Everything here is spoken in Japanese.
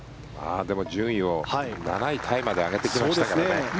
でも順位を７位タイまで上げてきましたからね。